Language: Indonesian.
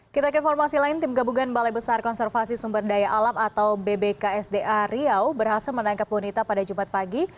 kita ke informasi lain tim gabungan balai besar konservasi sumber daya alam atau bbksda riau berhasil menangkap bonita pada jumat pagi